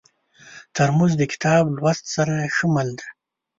ترموز د کتاب لوست سره ښه مل دی.